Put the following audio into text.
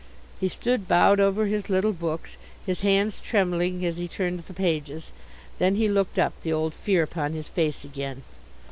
He stood bowed over his little books, his hands trembling as he turned the pages. Then he looked up, the old fear upon his face again.